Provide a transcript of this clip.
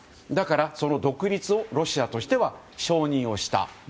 だから、その独立をロシアとしては承認した。